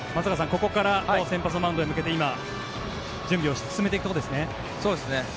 ここから先発のマウンドに向けて今、準備を進めていくところですね。